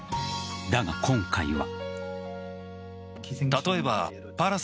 だが、今回は。